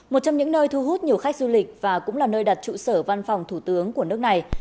một trong những nơi thu hút nhiều khách du lịch và cũng là nơi đặt trụ sở văn phòng thủ tướng của nước này